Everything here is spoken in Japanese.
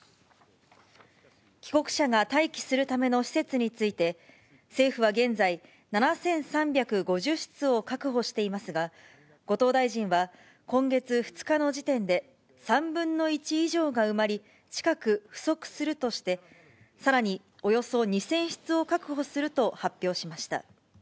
帰国者が待機するための施設について、政府は現在、７３５０室を確保していますが、後藤大臣は、今月２日の時点で３分の１以上が埋まり、近く不足するとして、さらにおよそ２０００室を確保すると発表しました。